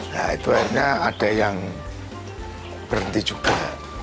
nah itu akhirnya ada yang berhenti juga